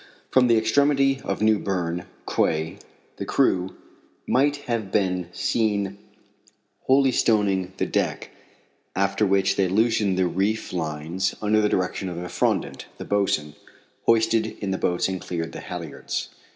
From the extremity of New Berne quay the crew might have been seen holystoning the deck, after which they loosened the reef lines, under the direction of Effrondat, the boatswain, hoisted in the boats and cleared the halyards.